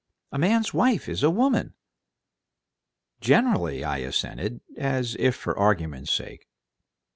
A man's wife is a woman " "Generally," I assented, as if for argument's sake.